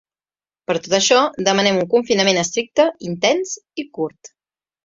Per tot això, demanem un confinament estricte, intens i curt.